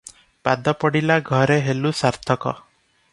ପାଦ ପଡ଼ିଲା ଘରେ ହେଲୁ ସାର୍ଥକ ।